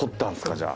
じゃあ。